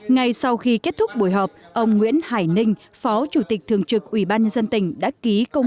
ngay sau khi kết thúc buổi họp ông nguyễn hải ninh phó chủ tịch thường trực ubnd tỉnh đã ký công